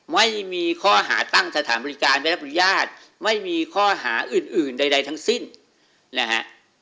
ไม่มีข้อหาตั้งสถานบริการได้รับอนุญาตไม่มีข้อหาอื่นใดทั้งสิ้นนะฮะ